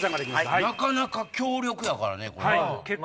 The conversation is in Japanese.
なかなか強力やからね。